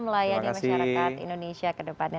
melayani masyarakat indonesia ke depannya